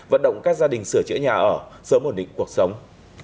vận động các gia đình sửa chữa nhà ở sớm ổn định cuộc sống